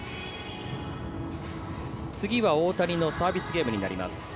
次は大谷のサービスゲームになります。